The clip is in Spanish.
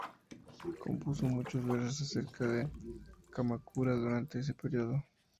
Compuso muchos versos acerca de Kamakura durante ese periodo.